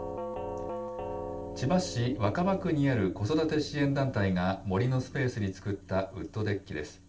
千葉市若葉区にある子育て支援団体が、森のスペースに作ったウッドデッキです。